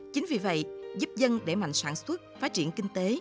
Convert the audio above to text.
chính vì vậy giúp dân đẩy mạnh sản xuất phát triển kinh tế